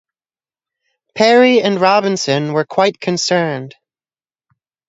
Parry and Robinson were quite concerned.